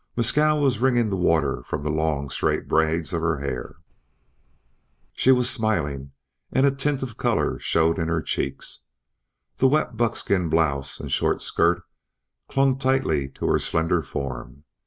Mescal was wringing the water from the long straight braids of her hair. She was smiling, and a tint of color showed in her cheeks. The wet buckskin blouse and short skirt clung tightly to her slender form.